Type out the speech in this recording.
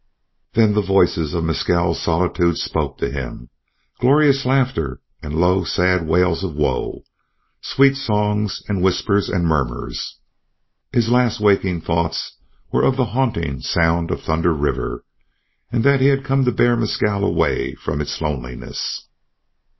Then the voices of Mescal's solitude spoke to him glorious laughter and low sad wails of woe, sweet songs and whispers and murmurs. His last waking thoughts were of the haunting sound of Thunder River, and that he had come to bear Mescal away from its loneliness.